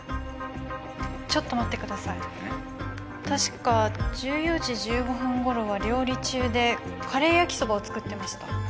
確か１４時１５分ごろは料理中でカレー焼きそばを作ってました。